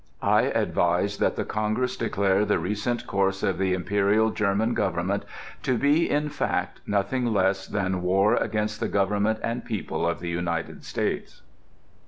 I advise that the Congress declare the recent course of the Imperial German Government to be in fact nothing less than war against the Government and people of the United States...."